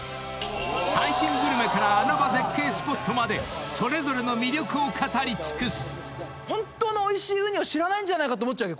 ［最新グルメから穴場絶景スポットまでそれぞれの魅力を語りつくす］